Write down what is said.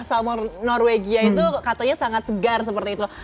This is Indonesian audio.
salmour norwegia itu katanya sangat segar seperti itu